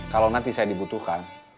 kalau nanti saya dibutuhkan